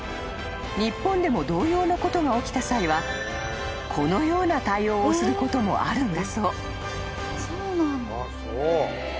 日本でも同様のことが起きた際はこのような対応をすることもあるんだそう］